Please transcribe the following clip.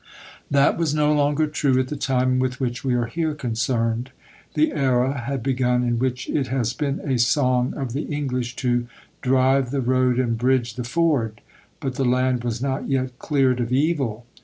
" That was no longer true at the time with which we are here concerned. The era had begun in which it has been a song of the English to "drive the road and bridge the ford." But the land was not yet "cleared of evil."